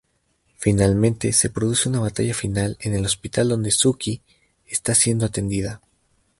Finalmente se produce una batalla final en el hospital donde Sookie está siendo atendida.